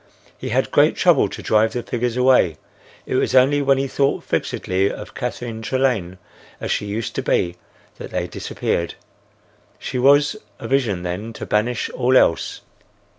He had great trouble to drive the figures away. It was only when he thought fixedly of Catherine Trelane as she used to be that they disappeared. She was a vision then to banish all else.